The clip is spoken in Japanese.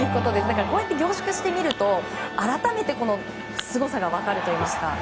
こうやって凝縮して見ると、改めてすごさが分かるといいますか。